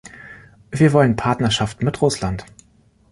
Wir wollen Partnerschaft mit Russland.